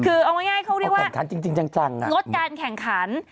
คือเอาง่ายเขาเรียกว่างดการแข่งขัน